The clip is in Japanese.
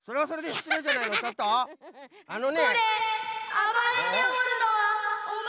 あのね。